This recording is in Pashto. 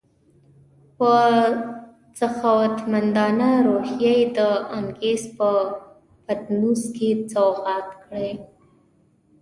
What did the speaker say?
په سخاوتمندانه روحیه یې د انګریز په پطنوس کې سوغات کړې.